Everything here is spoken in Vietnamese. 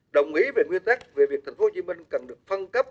đồng ý về nguyên tắc về việc tp hcm cần được phân cấp